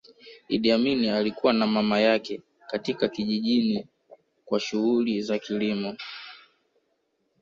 Idi Amin alikua na mama yake katika kijijini kwa shughuli za kilimo